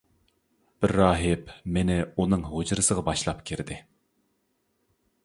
بىر راھىب مېنى ئۇنىڭ ھۇجرىسىغا باشلاپ كىردى.